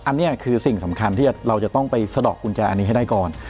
อันนี้คือสิ่งสำคัญที่เราจะต้องไปสะดอกกุญแจอันนี้ให้ได้ก่อน